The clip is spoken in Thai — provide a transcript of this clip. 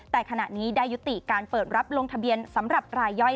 แต่ขณะนี้ได้ยุติการเปิดรับลงทะเบียนสำหรับรายย่อย